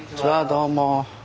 どうも。